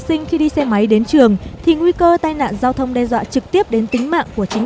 học sinh khi đi xe máy đến trường thì nguy cơ tai nạn giao thông đe dọa trực tiếp đến tính mạng của chính